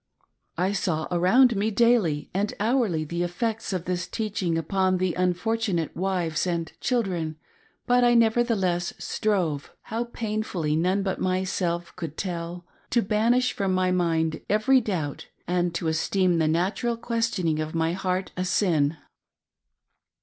I saw around me daily and hourly the effects of this teaching upon the un fortunate wives and children, but I nevertheless strove — .how painfully none but myself could tell— rto banish from my mind 430 DISCUSSING THE DIFFICULTY. every doubt, and to esteem the natural questioning of my heart a sin.